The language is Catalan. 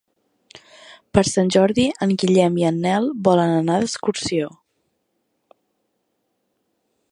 Per Sant Jordi en Guillem i en Nel volen anar d'excursió.